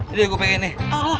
ini gua pengen nih